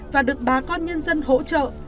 và được bà con nhân dân hỗ trợ